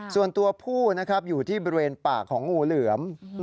ส่วนตัวผู้นะครับอยู่ที่บริเวณปากของงูเหลือม